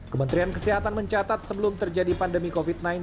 kementerian kesehatan mencatat sebelum terjadi pandemi covid sembilan belas